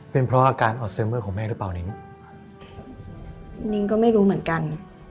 เป็นเพราะอาการออสเมอร์ของแม่หรือเปล่านิ้งนิ้งก็ไม่รู้เหมือนกัน